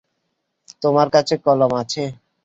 তোমার কাছে কলম আছে?